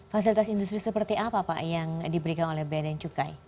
fasilitas industri seperti apa pak yang diberikan oleh bnn cukai